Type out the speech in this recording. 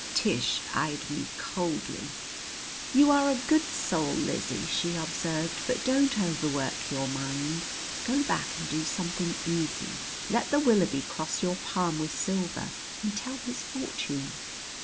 Tish eyed me coldly. "You are a good soul, Lizzie," she observed, "but don't overwork your mind. Go back and do something easy let the Willoughby cross your palm with silver, and tell his fortune.